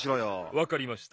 わかりました。